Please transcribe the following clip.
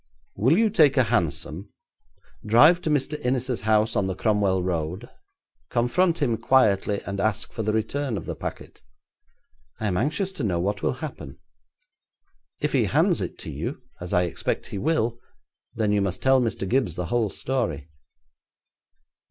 Will you take a hansom, drive to Mr. Innis's house on the Cromwell Road, confront him quietly, and ask for the return of the packet? I am anxious to know what will happen. If he hands it to you, as I expect he will, then you must tell Mr. Gibbes the whole story.'